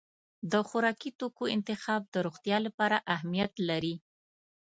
د خوراکي توکو انتخاب د روغتیا لپاره اهمیت لري.